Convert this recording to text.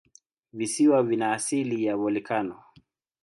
Visiwa vina asili ya volikano.